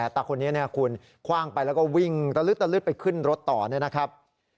ตาคนนี้คุณคว่างไปแล้วก็วิ่งตะลึดไปขึ้นรถต่อเนี่ยนะครับ